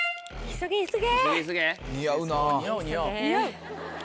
急げ急げ。